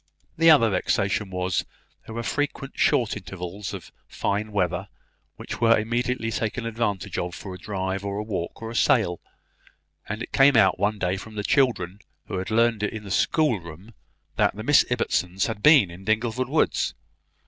The other vexation was, that there were frequent short intervals of fine weather, which were immediately taken advantage of for a drive, or a walk, or a sail; and it came out one day from the children, who had learned it in the schoolroom, that the Miss Ibbotsons had been in Dingleford woods.